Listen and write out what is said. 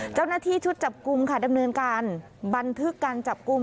เจ้าหน้าที่ชุดจับกลุ่มค่ะดำเนินการบันทึกการจับกลุ่ม